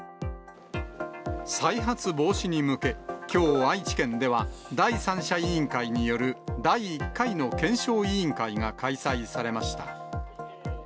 再発防止に向け、きょう、愛知県では、第三者委員会による第１回の検証委員会が開催されました。